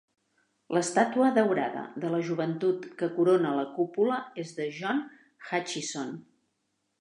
L'estàtua daurada de la joventut que corona la cúpula és de John Hutchison.